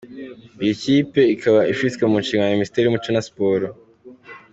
Iyi kipe ikaba ifitwe mu nshingano na Minisiteri y’umuco na siporo.